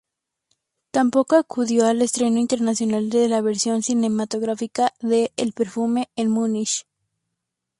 Tampoco acudió al estreno internacional de la versión cinematográfica de "El Perfume" en Múnich.